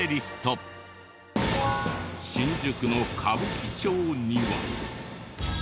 新宿の歌舞伎町には。